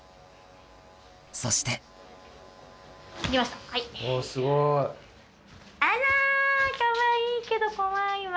そしておぉすごい。あらかわいいけど怖いわ。